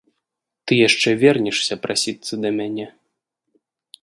Ты яшчэ вернешся прасіцца да мяне.